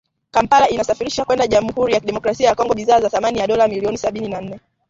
Kampala inasafirisha kwenda Jamuhuri ya Kidemokrasia ya Kongo bidhaa za thamani ya dola milioni sabini na nne